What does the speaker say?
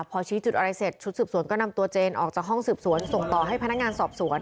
พอชี้จุดอะไรเสร็จชุดสืบสวนก็นำตัวเจนออกจากห้องสืบสวนส่งต่อให้พนักงานสอบสวน